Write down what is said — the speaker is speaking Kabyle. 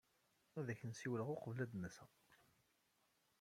Ad ak-n-siwleɣ uqbel ad n-aseɣ.